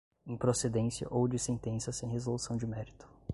improcedência ou de sentença sem resolução de mérito